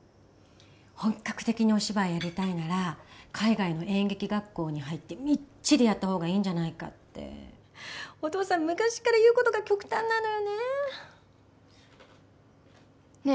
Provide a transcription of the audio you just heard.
本格的にお芝居やりたいなら海外の演劇学校に入ってみっちりやった方がいいんじゃないかってお父さん昔から言うことが極端なのよねねえ